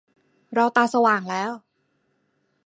เราตาสว่างแล้ว